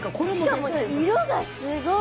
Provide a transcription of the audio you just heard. しかも色がすごい。